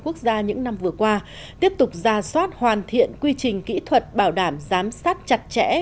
quốc gia những năm vừa qua tiếp tục ra soát hoàn thiện quy trình kỹ thuật bảo đảm giám sát chặt chẽ